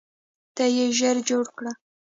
ته یې ژر جوړ کړه.